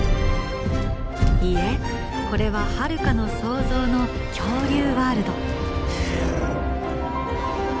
いいえこれはハルカの想像の恐竜ワールド。